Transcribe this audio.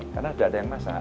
karena udah ada yang masak